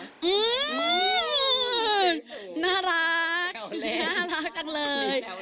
อื้อน่ารักน่ารักกันเลย